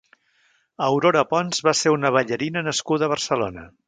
Aurora Pons va ser una ballarina nascuda a Barcelona.